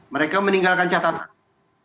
mereka meninggalkan catatan